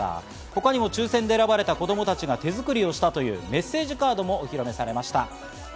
他にも抽選で選ばれた子供たちが手づくりをしたというメッセージカードもお披露目されました。